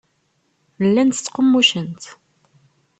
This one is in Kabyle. Llant ttqummucent.